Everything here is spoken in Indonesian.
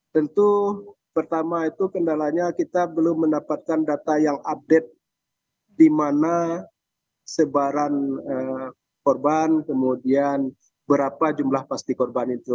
tentu pertama itu kendalanya kita belum mendapatkan data yang update di mana sebaran korban kemudian berapa jumlah pasti korban itu